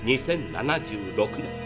２０７６年。